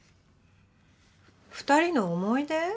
２人の思い出？